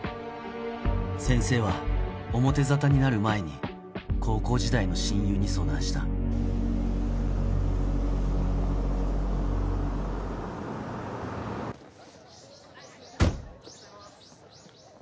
先生は表沙汰になる前に高校時代の親友に相談したおはようございます。